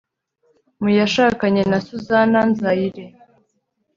mu yashakanye na suzana nzayire